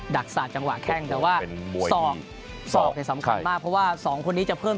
ดักศาสตร์จำว่าแข่งแต่ว่าสอกสอกที่สำคัญมากเพราะว่าสองคนนี้จะเพิ่ม